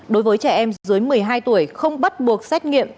đối với trẻ em dưới một mươi hai tuổi không bắt buộc xét nghiệm